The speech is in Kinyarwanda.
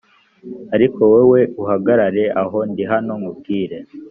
ariko wowe ho uhagarare aho ndi hano nkubwire